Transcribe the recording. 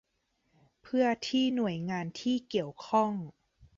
เพื่อที่หน่วยงานที่เกี่ยวข้อง